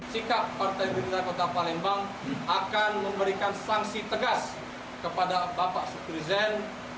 sikap partai gerindra kota palembang akan memberikan sanksi tegas kepada bapak sukri zen